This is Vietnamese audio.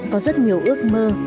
có rất nhiều ước mơ